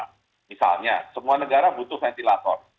misalnya semua negara butuh ventilator